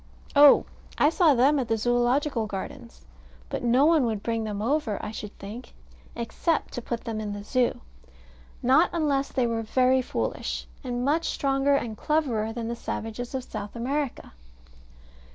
Oh, I saw them at the Zoological Gardens. But no one would bring them over, I should think, except to put them in the Zoo. Not unless they were very foolish. And much stronger and cleverer than the savages of South America.